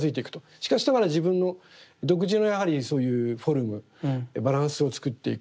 しかしながら自分の独自のやはりそういうフォルムバランスをつくっていく。